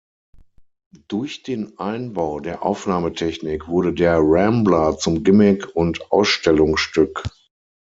Durch den Einbau der Aufnahmetechnik wurde der Rambler zum Gimmick und Ausstellungsstück.